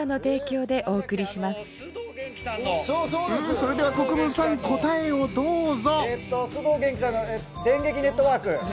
それでは国分さん、答えをどうぞ。